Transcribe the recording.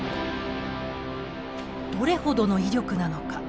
どれほどの威力なのか。